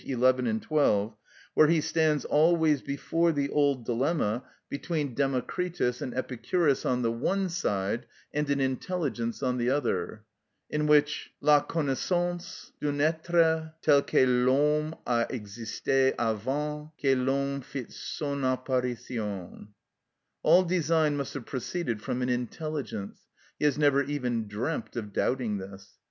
11, 12, where he stands always before the old dilemma between Democritus and Epicurus on the one side, and an intelligence on the other, in which _la connaissance __ d'un être tel que l'homme a existé avant que l'homme fit son apparition_. All design must have proceeded from an intelligence; he has never even dreamt of doubting this.